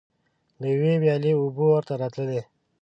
له یوې ویالې اوبه ورته راتللې.